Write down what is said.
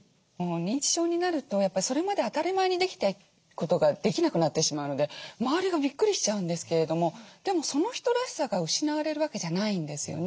認知症になるとやっぱりそれまで当たり前にできたことができなくなってしまうので周りがびっくりしちゃうんですけれどもでもその人らしさが失われるわけじゃないんですよね。